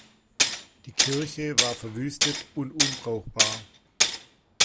Die Kirche war verwüstet und unbrauchbar.